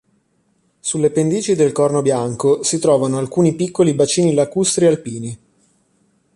Sulle pendici del Corno Bianco si trovano alcuni piccoli bacini lacustri alpini.